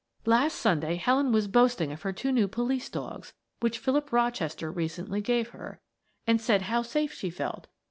"Last Sunday Helen was boasting of her two new police dogs which Philip Rochester recently gave her, and said how safe she felt.